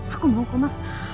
aku mau kok mas